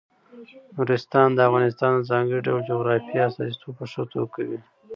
نورستان د افغانستان د ځانګړي ډول جغرافیې استازیتوب په ښه توګه کوي.